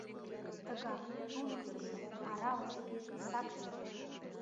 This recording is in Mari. Тыгак — туныктышо, аралыше, сакче.